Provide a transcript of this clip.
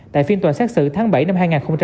tại phiên tòa xác sự tháng bảy năm hai nghìn hai mươi